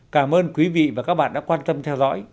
cảm ơn quý vị và các bạn đã quan tâm theo dõi